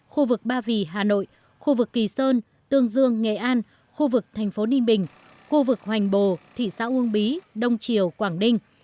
khu vực ba vì hà nội khu vực kỳ sơn tương dương nghệ an khu vực thành phố ninh bình khu vực hoành bồ thị xã uông bí đông triều quảng ninh